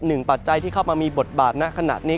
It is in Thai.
ปัจจัยที่เข้ามามีบทบาทณขณะนี้